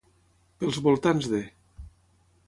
Pels voltants de.